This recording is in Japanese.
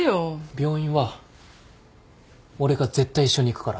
病院は俺が絶対一緒に行くから。